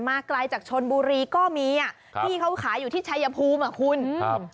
ไกลจากชนบุรีก็มีอ่ะครับที่เขาขายอยู่ที่ชายภูมิอ่ะคุณครับ